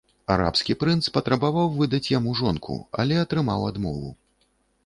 Арабскі прынц патрабаваў выдаць яму жонку, але атрымаў адмову.